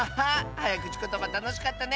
はやくちことばたのしかったね！